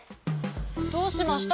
どうしました？